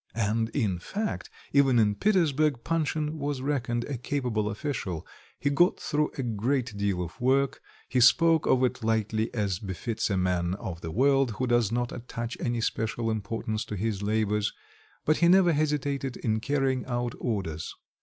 And, in fact, even in Petersburg Panshin was reckoned a capable official; he got through a great deal of work; he spoke of it lightly as befits a man of the world who does not attach any special importance to his labours, but he never hesitated in carrying out orders.